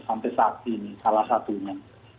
sampai saat ini salah satunya